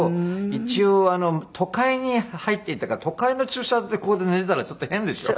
一応都会に入って行ったから都会の駐車場でここで寝ていたらちょっと変でしょ？